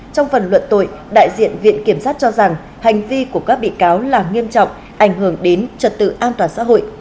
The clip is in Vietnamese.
trong phần luận tội đại diện viện kiểm sát cho rằng hành vi của các bị cáo là nghiêm trọng ảnh hưởng đến trật tự an toàn xã hội